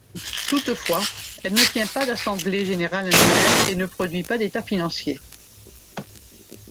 Toutefois, elle ne tient pas d'assemblée générale annuelle et ne produit pas d'états financiers.